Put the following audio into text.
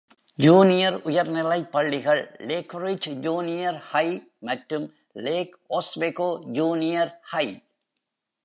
Junior உயர்நிலைப் பள்ளிகள் Lakeridge junior high மற்றும் லேக் ஓஸ்வெகோ ஜூனியர் ஹை.